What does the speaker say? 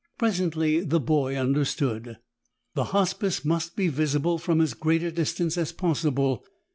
Presently the boy understood. The Hospice must be visible from as great a distance as possible.